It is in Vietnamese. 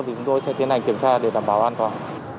thì chúng tôi sẽ tiến hành kiểm tra để đảm bảo an toàn